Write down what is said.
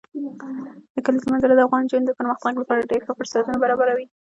د کلیزو منظره د افغان نجونو د پرمختګ لپاره ډېر ښه فرصتونه برابروي.